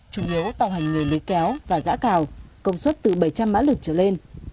chủ yếu tạo hành nghề lưới kéo và giã cào công suất từ bảy trăm linh mã lực trở lên